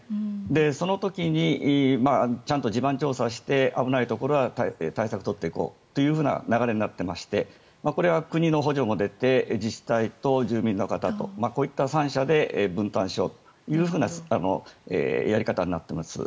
その時に地盤調査して危ないところは対策を取っていこうという流れになっていましてこれは国の補助も出て自治体と住民の方とこういった３者で分担しようというやり方になってます。